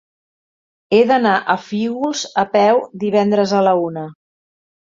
He d'anar a Fígols a peu divendres a la una.